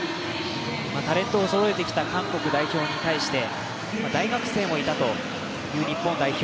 タレントをそろえてきた韓国代表に対して大学生もいたという日本代表